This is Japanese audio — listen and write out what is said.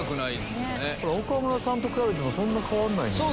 岡村さんと比べてもそんな変わんないもんな。